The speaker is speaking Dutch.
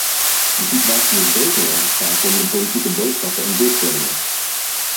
De situatie is beter als het gaat om de politieke boodschappen en doelstellingen.